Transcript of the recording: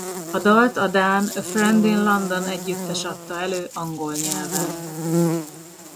A dalt a dán A Friend in London együttes adta elő angol nyelven.